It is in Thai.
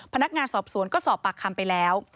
พนักงานสอบสวนก็สอบปากคำไปแล้ว